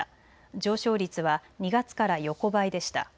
上昇率は２月から横ばいでした。